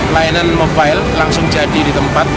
layanan mobile langsung jadi di tempat